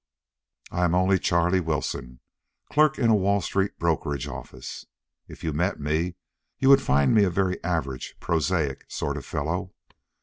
I am only Charles Wilson, clerk in a Wall Street brokerage office. If you met me, you would find me a very average, prosaic sort of fellow.